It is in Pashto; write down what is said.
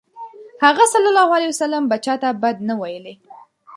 هغه ﷺ به چاته بد نه ویلی.